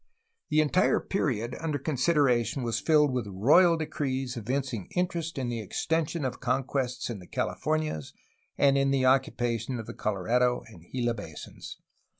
The entire period under consideration was filled with royal decrees evincing interest in the extension of conquests in the Californias and in the occupation of the Colorado and Gila basins.